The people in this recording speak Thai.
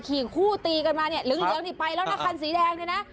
ขี่คู่ตีกันมาเนี่ยเหลืองนี่ไปแล้วนะคันสีแดงเนี่ยนะ